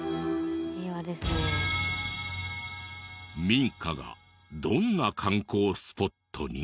民家がどんな観光スポットに？